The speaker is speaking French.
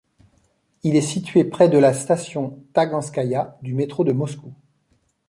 Il est situé près de la station Taganskaïa du métro de Moscou.